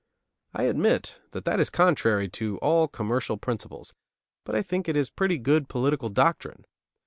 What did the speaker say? I admit that that is contrary to all commercial principles, but I think it is pretty good political doctrine.